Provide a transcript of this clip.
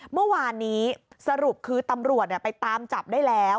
เมื่อวานนี้สรุปคือตำรวจไปตามจับได้แล้ว